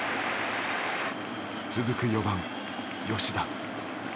続く４番吉田。